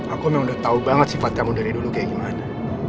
aku memang udah tau banget sifat kamu dari dulu kayak gimana